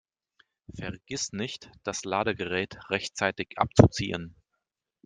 Vergiss nicht, das Ladegerät rechtzeitig abzuziehen!